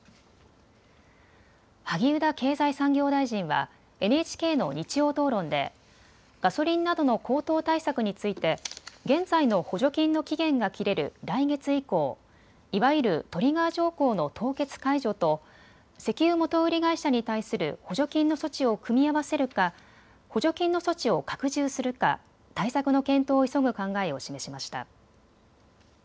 萩生田経済産業大臣はＮＨＫの日曜討論でガソリンなどの高騰対策について現在の補助金の期限が切れる来月以降、いわゆるトリガー条項の凍結解除と石油元売り会社に対する補助金の措置を組み合わせるか補助金の措置を拡充するか対策の検討を急ぐ考えを示しました。